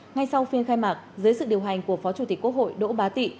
ngay sau phiên khai mạc dưới sự điều hành của phó chủ tịch quốc hội đỗ bá tị